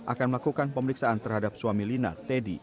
akan melakukan pemeriksaan terhadap suami lina teddy